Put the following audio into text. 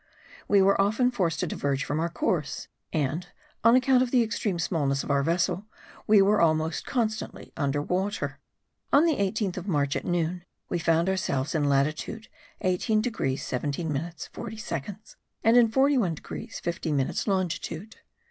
We were often forced to diverge from our course; and, on account of the extreme smallness of our vessel, we were almost constantly under water. On the 18th of March at noon we found ourselves in latitude 18 degrees 17 minutes 40 seconds, and in 81 degrees 50 minutes longitude.